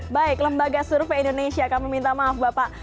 baik lembaga survei indonesia kami minta maaf bapak